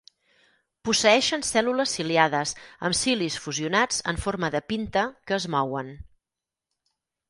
Posseeixen cèl·lules ciliades, amb cilis fusionats en forma de pinta que es mouen.